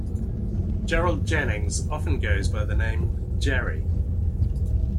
Gerald Jennings often goes by the name Jerry.